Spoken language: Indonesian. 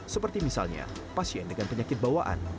seperti misalnya pasien dengan penyakit bawaan